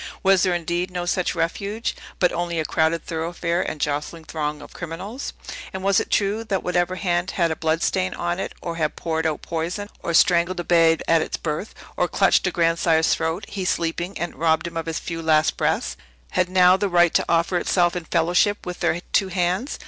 Was there, indeed, no such refuge, but only a crowded thoroughfare and jostling throng of criminals? And was it true, that whatever hand had a blood stain on it, or had poured out poison, or strangled a babe at its birth, or clutched a grandsire's throat, he sleeping, and robbed him of his few last breaths, had now the right to offer itself in fellowship with their two hands?